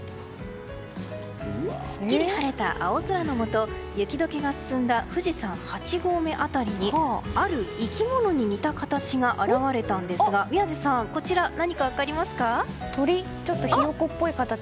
すっきり晴れた青空のもと雪解けが進んだ富士山８合目辺りにある生き物に似た形が現れたんですが、宮司さんこちら何か分かりますか？